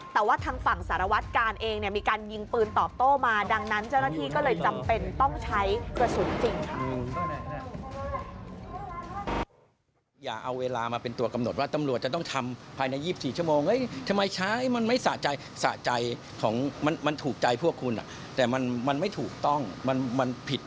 แต่ว่าทางฝั่งสารวัตกาลเองเนี่ยมีการยิงปืนตอบโต้มา